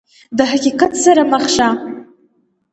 د حقیقت سره مخ شه !